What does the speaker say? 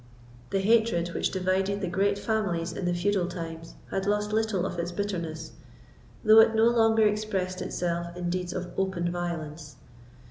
The hatred which divided the great families in the feudal times had lost little of its bitterness, though it no longer expressed itself in deeds of open violence.